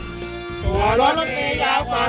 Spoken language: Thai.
แล้ววันนี้ผมมีสิ่งหนึ่งนะครับเป็นตัวแทนกำลังใจจากผมเล็กน้อยครับ